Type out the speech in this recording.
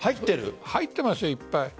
入っています、いっぱい。